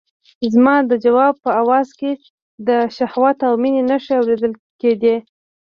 زما د ځواب په آواز کې د شهوت او مينې نښې اورېدل کېدې.